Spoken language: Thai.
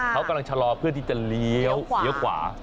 เขากำลังชะลอเพื่อที่จะเลี้ยวขวา